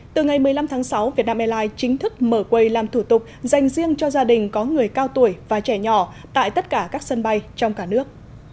từ ngày một mươi năm tháng sáu vietnam airlines chính thức mở quầy làm thủ tục dành riêng cho gia đình có người cao tuổi và trẻ nhỏ tại tất cả các sân bay trong cả nước